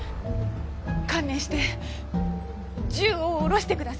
観念して銃を下ろしてください。